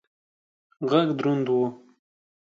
غږ دروند و.